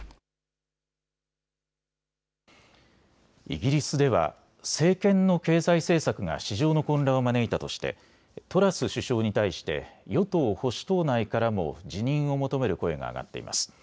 イギリスでは政権の経済政策が市場の混乱を招いたとしてトラス首相に対して与党・保守党内からも辞任を求める声が上がっています。